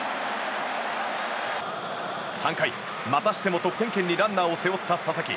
３回、またしても得点圏にランナーを背負った佐々木。